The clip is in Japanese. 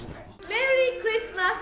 メリークリスマス！